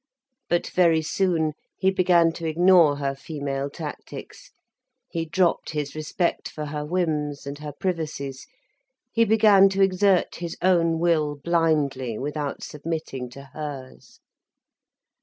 But very soon, he began to ignore her female tactics, he dropped his respect for her whims and her privacies, he began to exert his own will blindly, without submitting to hers.